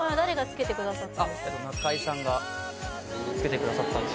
中居さんが付けてくださったんです